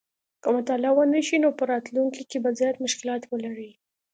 که مطالعه ونه شي نو په راتلونکي کې به زیات مشکلات ولري